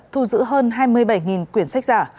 thu giữ hơn hai mươi bảy quyển sách giả